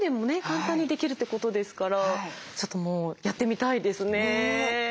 簡単にできるってことですからちょっともうやってみたいですね。